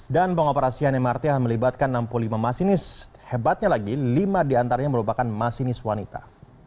dan pengoperasian mrt yang melibatkan enam puluh lima masinis hebatnya lagi lima diantaranya merupakan masinis wanita